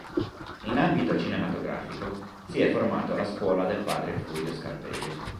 In ambito cinematografico si è formato alla "scuola" del padre Furio Scarpelli.